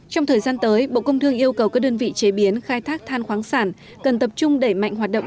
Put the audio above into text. trong thời gian tới bộ công thương yêu cầu các đơn vị chế biến khai thác than khoáng sản cần tập trung đẩy mạnh hoạt động